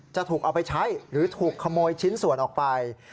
จะถูกเอาไปใช้หรือถูกขโมยชิ้นส่วนออกไป